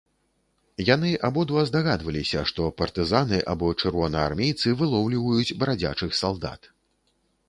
Яны абодва здагадваліся, што партызаны або чырвонаармейцы вылоўліваюць брадзячых салдат.